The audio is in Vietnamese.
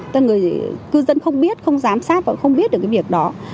tên người cư dân không biết không giám sát và không biết được cái việc đó